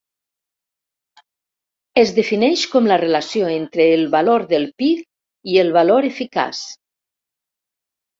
Es defineix com la relació entre el valor de pic i el valor eficaç.